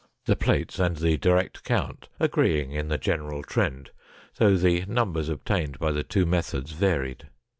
The plates and the direct count agreeing in the general trend, though the numbers obtained by the two methods varied.